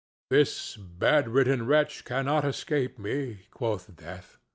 "This bedridden wretch cannot escape me," quoth Death.